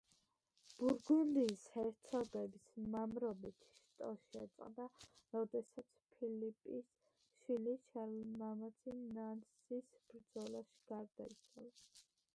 ბურგუნდიის ჰერცოგების მამრობითი შტო შეწყდა, როდესაც ფილიპის შვილი შარლ მამაცი ნანსის ბრძოლაში გარდაიცვალა.